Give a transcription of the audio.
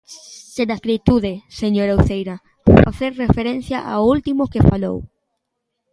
Sen acritude, señora Uceira, por facer referencia ao último que falou.